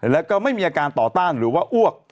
แล้วก็ไม่มีอาการต่อต้านหรือว่าอ้วก